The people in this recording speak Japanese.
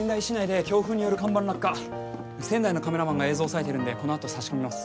仙台のカメラマンが映像押さえてるんでこのあと差し込みます。